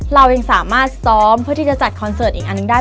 เรายังสามารถซ้อมเพื่อที่จะจัดคอนเสิร์ตอีกอันหนึ่งได้